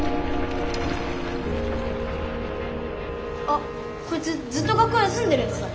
あっこいつずっと学校休んでるやつだ。